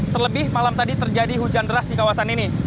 terlebih malam tadi terjadi hujan deras di kawasan ini